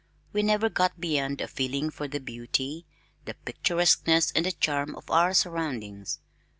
We never got beyond a feeling for the beauty, the picturesqueness and the charm of our surroundings.